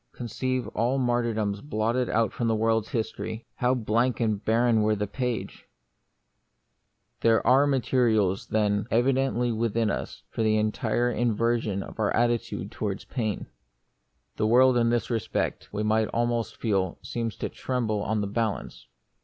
Conceive all martyrdoms blotted out from the world's history ; how blank and bar ren were the page ! The Mystery of Pain. 13 There are the materials, then, evidently within us for an entire inversion of our attitude towards pain. The world in this respect, we might almost feel, seems to tremble on the balance.